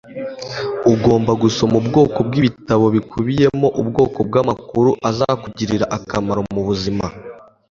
Ugomba gusoma ubwoko bwibitabo bikubiyemo ubwoko bwamakuru azakugirira akamaro mubuzima